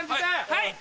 はい！